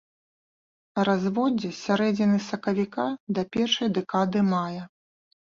Разводдзе з сярэдзіны сакавіка да першай дэкады мая.